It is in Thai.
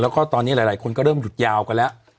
แล้วก็ตอนนี้หลายคนก็เริ่มหยุดยาวกันแล้ว